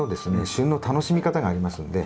旬の楽しみ方がありますんで。